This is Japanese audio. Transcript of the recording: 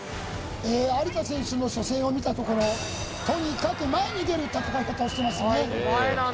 ええ有田選手の初戦を見たところとにかく前に出る戦い方をしてましたねええ